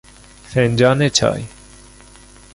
فنجان چای